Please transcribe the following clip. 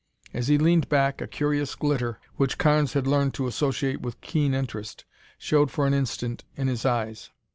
As he leaned back a curious glitter, which Carnes had learned to associate with keen interest, showed for an instant in his eyes.